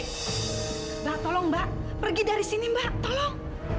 mbak tolong mbak pergi dari sini mbak tolong